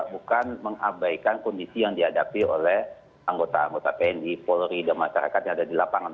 bukan mengabaikan kondisi yang dihadapi oleh anggota anggota tni polri dan masyarakat yang ada di lapangan